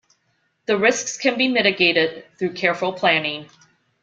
The risks can be mitigated through careful planning.